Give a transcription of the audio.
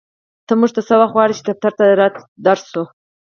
ته مونږ څه وخت غواړې چې دفتر ته در شو